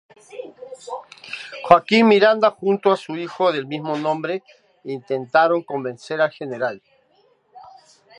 Joaquín Miranda junto a su hijo del mismo nombre intentaron convencer al Gral.